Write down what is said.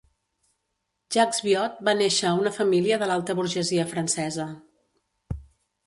Jacques Viot va néixer a una família de l'alta burgesia francesa.